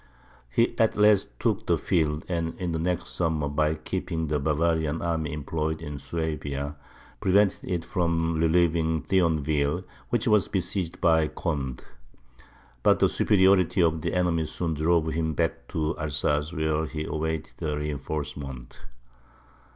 He at last took the field; and, in the next summer, by keeping the Bavarian army employed in Suabia, prevented it from relieving Thionville, which was besieged by Conde. But the superiority of the enemy soon drove him back to Alsace, where he awaited a reinforcement.